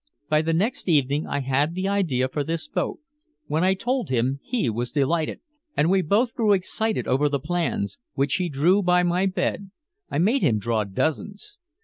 "By the next evening I had the idea for this boat. When I told him he was delighted, and we both grew excited over the plans which he drew by my bed, I made him draw dozens.